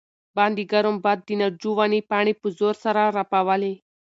باندې ګرم باد د ناجو ونې پاڼې په زور سره رپولې.